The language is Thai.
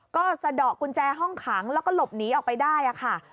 ก็สะดอกกุญแจห้องขังแล้วก็หลบหนีออกไปได้ค่ะ